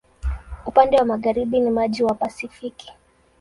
Upande wa magharibi ni maji wa Pasifiki.